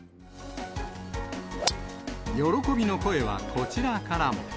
喜びの声は、こちらからも。